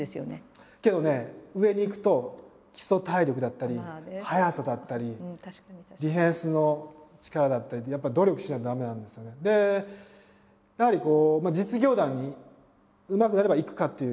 けどね上に行くと基礎体力だったり速さだったりディフェンスの力だったりやはりこう実業団にうまくやれば行くかっていう。